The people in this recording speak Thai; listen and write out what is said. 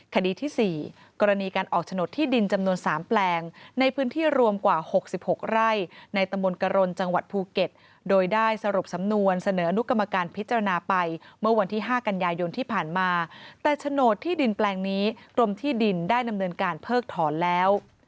คดีที่๔กรณีการออกโฉนดที่ดินจำนวน๓แปลงในพื้นที่รวมกว่า๖๖ไร่ในตำบลกรณจังหวัดภูเก็ตโดยได้สรุปสำนวนเสนออนุกรรมการพิจารณาไปเมื่อวันที่๕กันยายนที่ผ่านมาแต่โฉนดที่ดินแปลงนี้กรมที่ดินได้ดำเนินการเพิกถอนแล้ว